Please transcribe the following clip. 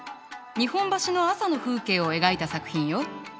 日本橋の朝の風景を描いた作品よ。